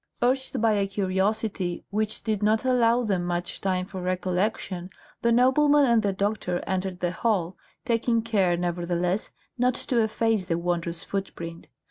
Urged by a curiosity which did not allow them much time for recollection, the nobleman and the doctor entered the hall, taking care, nevertheless, not to efface the wondrous footprint.